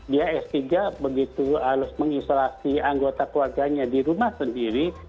dia s tiga begitu harus mengisolasi anggota keluarganya di rumah sendiri